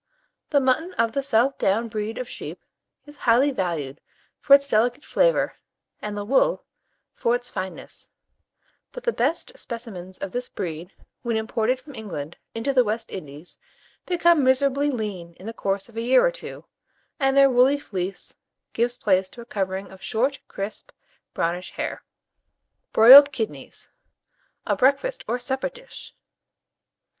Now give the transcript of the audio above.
The mutton of the South Down breed of sheep is highly valued for its delicate flavour, and the wool for its fineness; but the best specimens of this breed, when imported from England into the West Indies, become miserably lean in the course of a year or two, and their woolly fleece gives place to a covering of short, crisp, brownish hair. BROILED KIDNEYS (a Breakfast or Supper Dish).